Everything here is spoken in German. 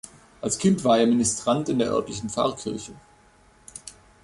Als Kind war er Ministrant in der örtlichen Pfarrkirche.